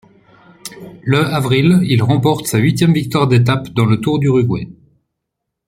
Le avril, il remporte sa huitième victoire d'étapes dans le Tour d'Uruguay.